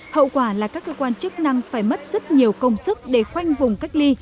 hậu quả là các cơ quan chức năng phải mất rất nhiều công sức để khoanh vùng cách ly